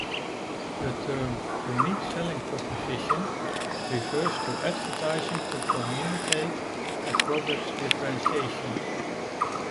The term unique selling proposition refers to advertising to communicate a product's differentiation.